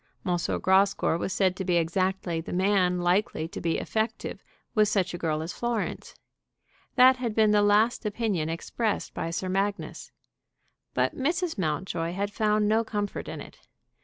M. Grascour was said to be exactly the man likely to be effective with such a girl as Florence. That had been the last opinion expressed by Sir Magnus. But Mrs. Mountjoy had found no comfort in it.